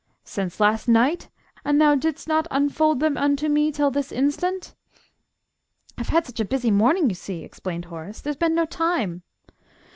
"Since last night? And thou didst not unfold them unto me till this instant?" "I've had such a busy morning, you see," explained Horace. "There's been no time."